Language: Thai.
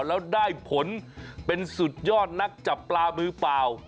แล้วได้ผลเป็นสุดยอดนักจับปลามือเปล่า